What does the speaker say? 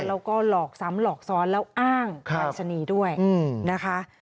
แล้วก็หลอกซ้ำหลอกซ้อนแล้วอ้างปรายศนีย์ด้วยนะคะ